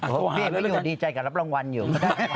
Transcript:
พี่เอกไม่อยู่ดีใจก็รับรางวัลอยู่